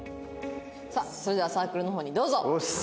さあそれではサークルの方にどうぞ。